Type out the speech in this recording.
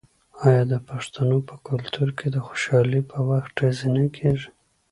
آیا د پښتنو په کلتور کې د خوشحالۍ په وخت ډزې نه کیږي؟